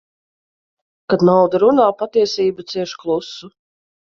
Kad nauda runā, patiesība cieš klusu.